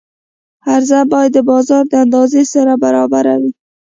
عرضه باید د بازار د اندازې سره برابره وي.